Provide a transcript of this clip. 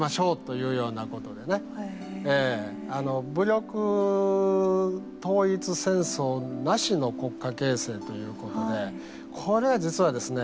武力統一戦争なしの国家形成ということでこれは実はですね